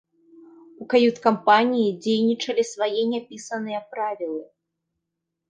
У кают-кампаніі дзейнічалі свае няпісаныя правілы.